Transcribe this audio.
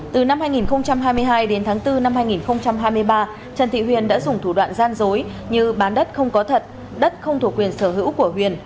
từ năm hai nghìn hai mươi hai đến tháng bốn năm hai nghìn hai mươi ba trần thị huyền đã dùng thủ đoạn gian dối như bán đất không có thật đất không thuộc quyền sở hữu của huyền